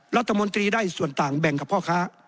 รัฐมนตรีได้ส่วนต่างแบ่งกับพ่อค้า